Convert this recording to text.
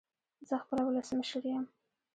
زه خپله ولسمشر يم